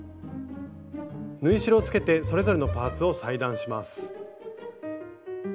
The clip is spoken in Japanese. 縫い代をつけてそれぞれのパーツを裁断します。